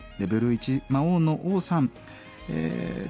１魔王の王さんえ